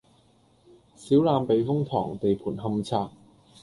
小欖避風塘地盤勘測